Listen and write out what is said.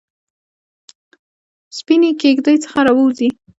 سپینې کیږ دۍ څخه راووزي